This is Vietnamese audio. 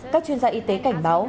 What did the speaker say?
các chuyên gia y tế cảnh báo